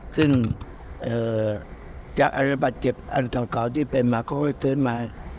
ซึ่งจากอาระบัติเจ็บอันต่อเก่าที่เป็นมาก็ค่อยฟื้นมา